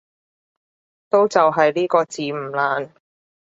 都就係呢個字唔難